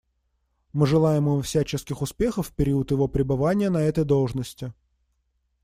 Мы желаем ему всяческих успехов в период его пребывания на этой должности.